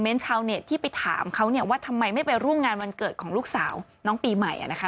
ชาวเน็ตที่ไปถามเขาเนี่ยว่าทำไมไม่ไปร่วมงานวันเกิดของลูกสาวน้องปีใหม่นะคะ